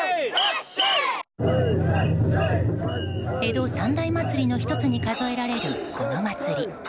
江戸三大祭りの１つに数えられるこの祭り。